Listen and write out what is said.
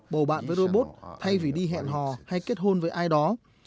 bầu bạn với robot thay vì đi hẹn hò hay kết hôn với ai đó